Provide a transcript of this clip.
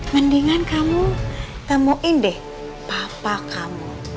mendingan kamu temuin deh papa kamu